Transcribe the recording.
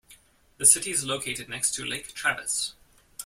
The city is located next to Lake Travis.